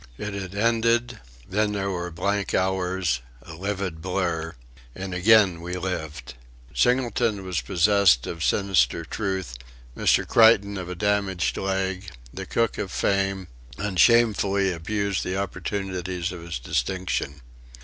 It had ended then there were blank hours: a livid blurr and again we lived! Singleton was possessed of sinister truth; Mr. Creighton of a damaged leg; the cook of fame and shamefully abused the opportunities of his distinction.